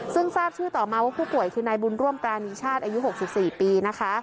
ซึ่งทราบชื่อต่อมาว่าผู้ป่วยคือนายบุญร่วมปรานีชาติอายุ๖๔ปีนะคะ